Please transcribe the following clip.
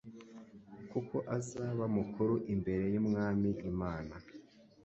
kuko azaba mukuru imbere y'Umwami Imana.